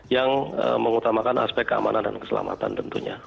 yang mengutamakan aspek keamanan dan keselamatan tentunya